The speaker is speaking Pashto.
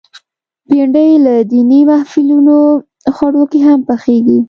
بېنډۍ له دینی محفلونو خوړو کې هم پخېږي